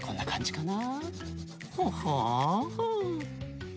こんなかんじかな。